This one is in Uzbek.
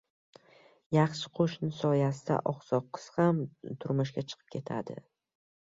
• Yaxshi qo‘shni soyasida oqsoq qiz ham turmushga chiqib ketadi.